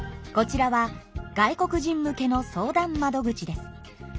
こちらは「外国人向けの相談窓口」です。